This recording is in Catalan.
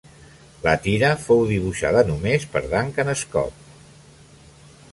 La tira fou dibuixada només per Duncan Scott.